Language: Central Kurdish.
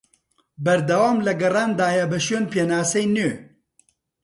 بەردەوام لە گەڕاندایە بە شوێن پێناسەی نوێ